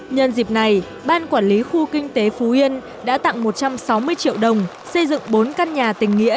nhân dịp này ban quản lý khu kinh tế phú yên đã tặng một trăm sáu mươi triệu đồng xây dựng bốn căn nhà tình nghĩa